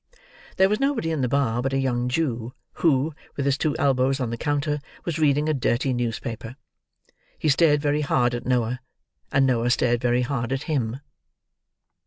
There was nobody in the bar but a young Jew, who, with his two elbows on the counter, was reading a dirty newspaper. He stared very hard at Noah, and Noah stared very hard at him.